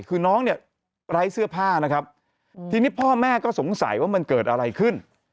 คือน้องเนี่ยไร้เสื้อผ้านะครับทีนี้พ่อแม่ก็สงสัยว่ามันเกิดอะไรขึ้น